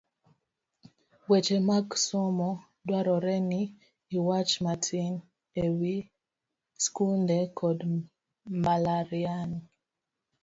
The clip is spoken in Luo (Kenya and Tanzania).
Weche mag Somo , dwarore ni iwach matin e wi skunde kod mbalariany